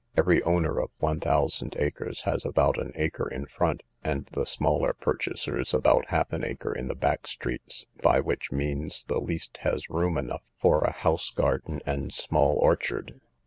Every owner of one thousand acres has about an acre in front, and the smaller purchasers about half an acre in the back streets, by which means the least has room enough for a house garden and small orchard.